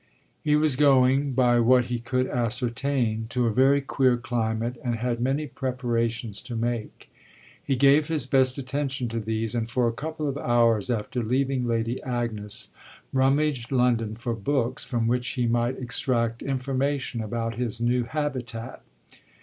He was going, by what he could ascertain, to a very queer climate and had many preparations to make. He gave his best attention to these, and for a couple of hours after leaving Lady Agnes rummaged London for books from which he might extract information about his new habitat.